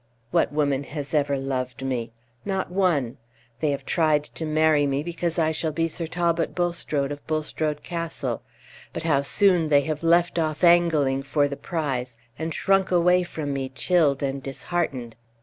What woman has ever loved me? Not one. They have tried to marry me because I shall be Sir Talbot Bulstrode of Bulstrode Castle; but how soon they have left off angling for the prize, and shrunk away from me chilled and disheartened!